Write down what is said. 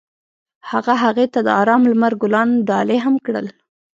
هغه هغې ته د آرام لمر ګلان ډالۍ هم کړل.